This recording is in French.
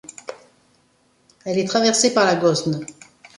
Elle est traversée par la Gosne.